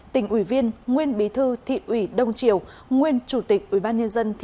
tỉnh ủy viên nguyên bí thư thị ủy đông triều nguyên chủ tịch ủy ban nhân dân thị